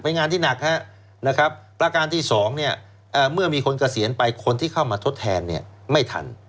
เป็นงานที่หนักนะครับประการที่๒เมื่อมีคนเกษียณไปคนที่เข้ามาทดแทนเนี่ยไม่ทัน